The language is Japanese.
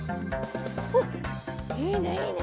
おっいいねいいね